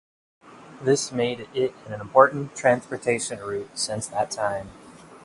This made it an important transportation route since that time.